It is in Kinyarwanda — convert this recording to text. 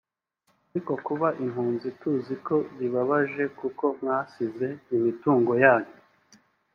ariko kuba impunzi tuziko bibabaje kuko mwasize imitungo yanyu